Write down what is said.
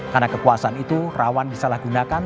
karena kekuasaan itu rawan disalahgunakan